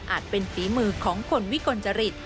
เป็นฝีมือของคนวิกลจริต